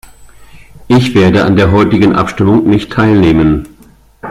Ich werde an der heutigen Abstimmung nicht teilnehmen.